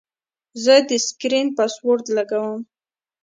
زه د سکرین پاسورډ لګوم.